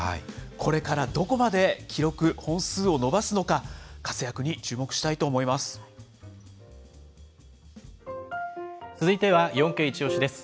これからどこまで記録、本数を伸ばすのか、活躍に注目したいと思続いては、４Ｋイチオシ！です。